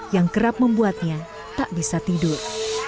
yang kerap membuatnya tak bisa tidur